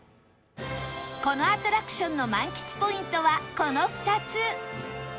このアトラクションの満喫ポイントはこの２つ